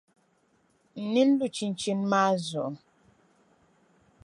N nin lu chinchini maa zuɣu.